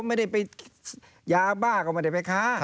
ไม่ได้ไปยาบ้าก็ไม่ได้ไปค้า